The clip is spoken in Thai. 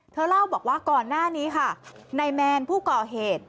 เล่าบอกว่าก่อนหน้านี้ค่ะนายแมนผู้ก่อเหตุ